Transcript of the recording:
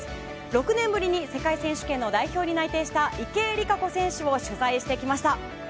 ６年ぶりに世界選手権の代表に内定した池江璃花子選手を取材してきました。